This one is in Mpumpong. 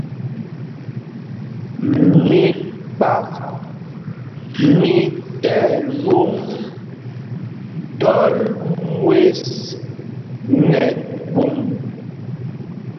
Mikpak mí tí ɛlwôŋ ɗɔl mwes nɛ pum.